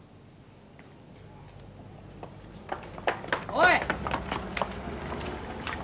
おい！